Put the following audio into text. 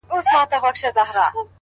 سوال کوم کله دي ژړلي گراني ؛